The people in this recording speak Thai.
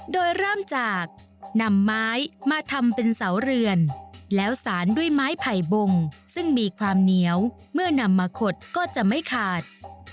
โดยเริ่มจากนำไม้มาทำเป็นเสาเรือนแล้วสารด้วยไม้ไผ่บงซึ่งมีความเหนียวเมื่อนำมาขดก็จะไม่ขาด